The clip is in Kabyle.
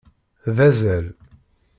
D azal.